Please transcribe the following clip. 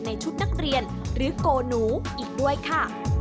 ในชุดนักเรียนหรือโกหนูอีกด้วยค่ะ